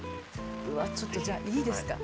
うわっちょっといいですか。